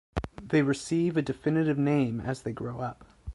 They receive a definitive name as they grow up.